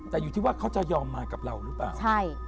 แต่อยู่ที่ว่าเขาจะยอมมากับเราหรือเปล่าใช่